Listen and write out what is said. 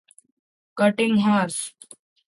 Cutting Horse.